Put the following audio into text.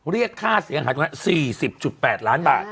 เรียกค่าเสียหายตรงนั้น๔๐๘ล้านบาท